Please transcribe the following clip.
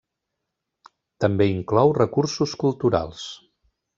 També inclou recursos culturals.